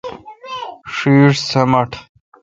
ݭیݭ سمٹ۔